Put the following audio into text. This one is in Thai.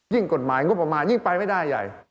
ยิ่งกฎหมายงบออกมายิ่งไปไม่ได้